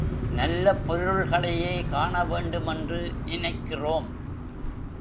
நல்ல பொருள்களையே காண வேண்டுமென்று நினைக்கிறோம்.